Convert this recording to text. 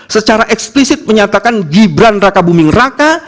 secara eksplisit menyatakan gibran raka buming raka